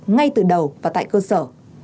ngay từ đầu và tại cơ sở